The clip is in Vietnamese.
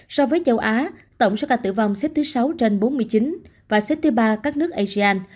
so với châu á tổng số ca tử vong xếp thứ sáu trên bốn mươi chín và xếp thứ ba các nước asean